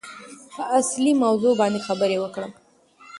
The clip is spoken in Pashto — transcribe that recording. په اصلي موضوع باندې خبرې وکړم.